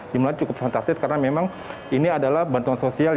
jumlahnya cukup fantastis karena memang ini adalah bantuan sosial